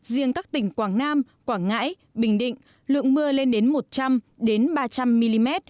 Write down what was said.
riêng các tỉnh quảng nam quảng ngãi bình định lượng mưa lên đến một trăm linh ba trăm linh mm